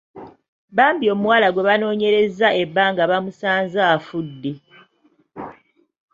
Bambi omuwala gwe banoonyerezza ebbanga bamusanze afudde.